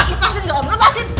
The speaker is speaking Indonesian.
lepasin dong om lepasin